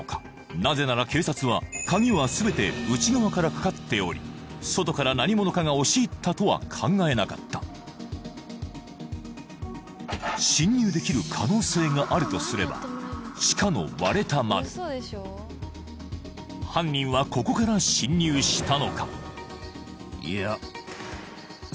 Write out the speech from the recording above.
なぜなら警察は鍵は全て内側からかかっており外から何者かが押し入ったとは考えなかった侵入できる可能性があるとすれば犯人はここから侵入したのか？